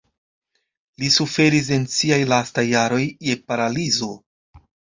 Li suferis en siaj lastaj jaroj je paralizo.